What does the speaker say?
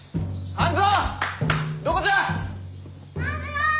半蔵！